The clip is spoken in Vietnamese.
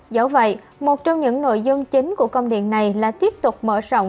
dẫu vậy một trong những nội dung chính của công điện này là tiếp tục mở rộng